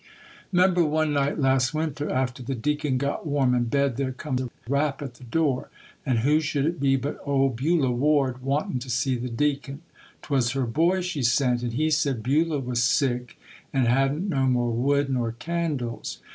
''Member one night last winter, after the Deacon got warm in bed, there come a rap at the door; and who should it be but old Beulah Ward wantin' to see the Deacon—'twas her boy she sent, and he said Beulah was sick and hadn't no more wood nor candles.